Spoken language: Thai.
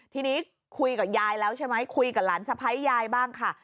ทีนี้คุยกับยายแล้วใช่ไหมคุยกับหลานสะพ้ายยายบ้างค่ะ